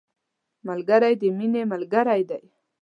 ملګری د مینې ملګری دی